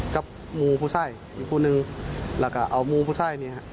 กับมูผู้ทรายผู้หนึ่งแล้วก็เอามูผู้ทรายนี่ฮะ